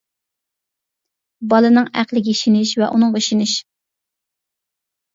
بالىنىڭ ئەقلىگە ئىشىنىش ۋە ئۇنىڭغا ئىشىنىش.